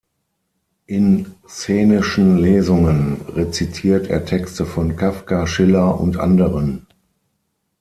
In szenischen Lesungen rezitiert er Texte von Kafka, Schiller und anderen.